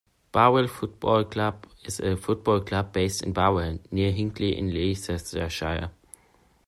Barwell Football Club is a football club based in Barwell, near Hinckley in Leicestershire.